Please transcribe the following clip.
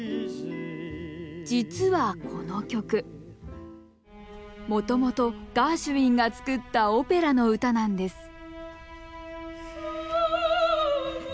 実はこの曲もともとガーシュウィンが作ったオペラの歌なんです